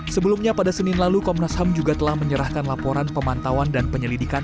sebelumnya pada senin lalu komnas ham juga telah menyerahkan laporan pemantauan dan penyelidikan